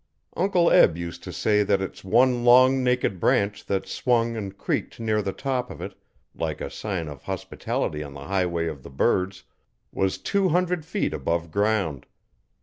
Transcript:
Uncle Eb used to say that its one long, naked branch that swung and creaked near the top of it, like a sign of hospitality on the highway of the birds, was two hundred feet above ground.